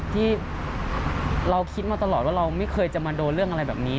ที่เราคิดมาตลอดว่าเราไม่เคยจะมาโดนเรื่องอะไรแบบนี้